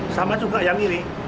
sama juga yang ini